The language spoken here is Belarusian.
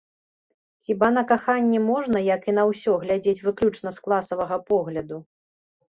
Хіба на каханне можна, як і на ўсё, глядзець выключна з класавага погляду?